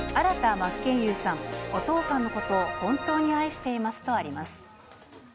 真剣佑さん、お父さんのことを本当に愛していますとあります。